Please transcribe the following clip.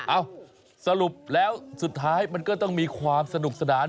เอ้าสรุปแล้วสุดท้ายมันก็ต้องมีความสนุกสนาน